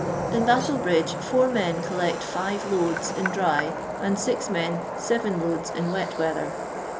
In Battle bridge, four men eoHeet five loads in dry, and six men seven loads in wet weather.